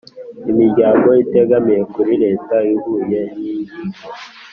imiryango itegamiye kuri leta ihuye n’ingingo